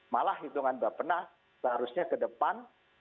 malah hitungan bapak nas seharusnya ke depan